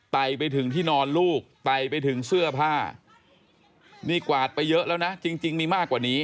ไปถึงที่นอนลูกไต่ไปถึงเสื้อผ้านี่กวาดไปเยอะแล้วนะจริงมีมากกว่านี้